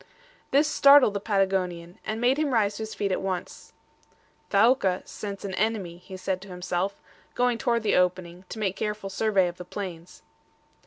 This startled the Patagonian, and made him rise to his feet at once. "Thaouka scents an enemy," he said to himself, going toward the opening, to make careful survey of the plains.